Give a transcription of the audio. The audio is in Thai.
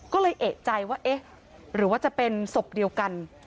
ก็เลยเอกใจว่าเอ๊ะหรือว่าจะเป็นศพเดียวกัน